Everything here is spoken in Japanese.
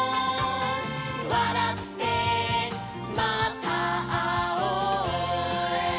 「わらってまたあおう」